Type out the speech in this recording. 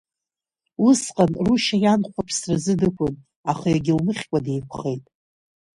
Усҟан Рушьа ианхәа аԥсразы дықәын, аха егьылмыхькәа деиқәхеит.